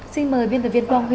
xin mời biên tập viên quang huy